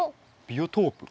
ビオトープ？